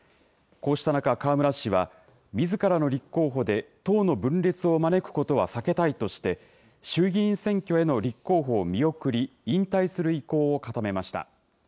こうした中、河村氏は、みずからの立候補で党の分裂を招くことは避けたいとして、衆議院選挙への立候補を見送り、引退する意向を固めました。